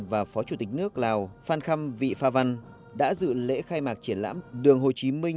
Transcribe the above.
và phó chủ tịch nước lào phan khâm vị pha văn đã dự lễ khai mạc triển lãm đường hồ chí minh